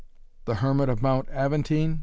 "The hermit of Mount Aventine?"